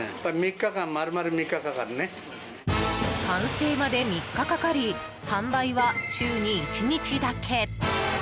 完成まで３日かかり販売は週に１日だけ！